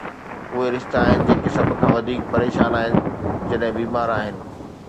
اهي رشتا آهن جيڪي سڀ کان وڌيڪ پريشان آهن جڏهن بيمار آهن